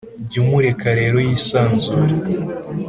jya umureka rero yisanzure